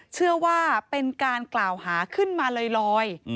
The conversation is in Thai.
เชื่อว่าเป็นการกล่าวหาขึ้นมาลอย